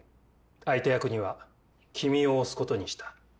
相手役には君を推すことにした